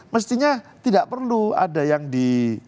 mestinya tidak perlu ada yang di